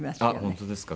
本当ですか？